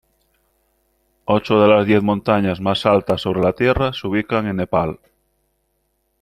Ocho de las diez montañas más altas sobre la Tierra se ubican en Nepal.